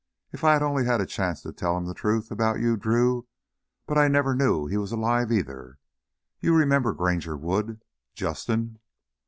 If I had only had the chance to tell him the truth about you, Drew. But I never knew he was alive either. You remember Granger Wood, Justin?"